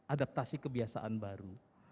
adaptasi kebiasaan baru